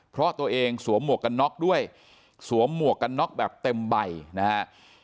เพราะตัวเองสวมหมวกกันน็อกด้วยสวมหมวกกันน็อกแบบเต็มใบนะฮะ